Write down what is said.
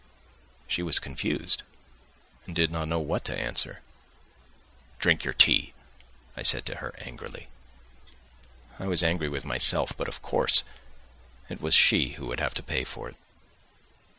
She was confused, and did not know what to answer. "Drink your tea," I said to her angrily. I was angry with myself, but, of course, it was she who would have to pay for it.